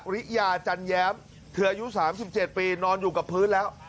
ริยาจันแย้มเธออายุ๓๗ปีนอนอยู่กับพื้นแล้ว